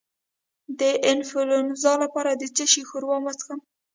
د انفلونزا لپاره د څه شي ښوروا وڅښم؟